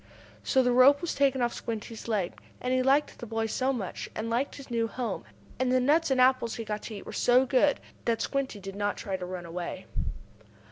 So the rope was taken off Squinty's leg. And he liked the boy so much, and liked his new home, and the nuts and apples he got to eat were so good, that Squinty did not try to run away.